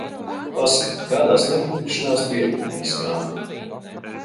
Paskat, kādās nepatikšanās tu iekūlies, Jāni!